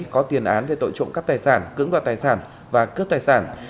có tiền án về tội trộm cắt tài sản cứng đoạt tài sản và cướp tài sản